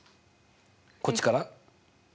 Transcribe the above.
こっちから？